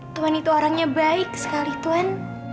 tuhan itu orangnya baik sekali tuan